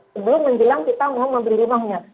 sebelum menjelang kita mau membeli rumahnya